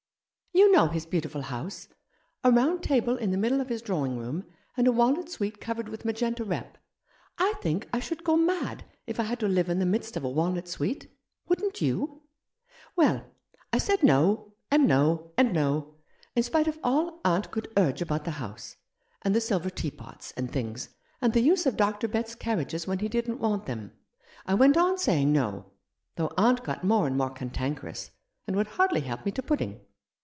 "You know his beautiful house — a round table in the middle of his drawing room, and a walnut suite covered with magenta rep. I think I should 7 Rough Justice. go mad if I had to live in the midst of a walnut suite — wouldn't you ? Well, I said no, and no, and no — in spite of all aunt could urge about the house, and the silver teapots, and things, and the use of Dr. Betts's carriages when he didn't want them. I went on saying no, though aunt got more and more cantankerous, and would hardly help me to pudding.